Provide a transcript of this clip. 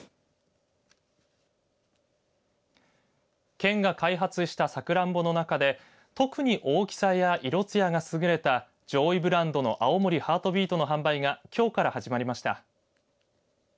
県が開発したさくらんぼの中で特に大きさや色つやが優れた上位ブランドの青森ハートビートの販売がきょうから始まりました。